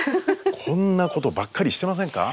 こんなことばっかりしてませんか？